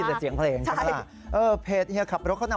อะหรือเดี๋ยวกัน